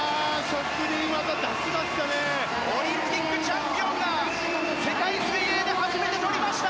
オリンピックチャンピオンが世界水泳で初めてとりました！